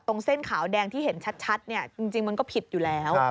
เส้นขาวแดงที่เห็นชัดจริงมันก็ผิดอยู่แล้ว